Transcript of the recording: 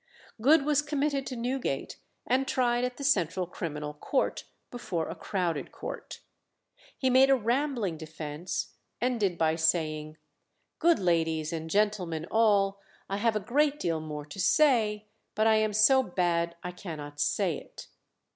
Good was committed to Newgate, and tried at the Central Criminal Court before a crowded court. He made a rambling defence, ending by saying, "Good ladies and gentlemen all, I have a great deal more to say, but I am so bad I cannot say it."